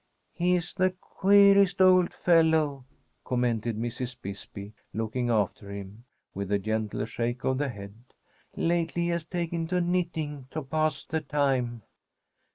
"He's the queerest old fellow," commented Mrs. Bisbee, looking after him, with a gentle shake of the head. "Lately he has taken to knitting, to pass the time."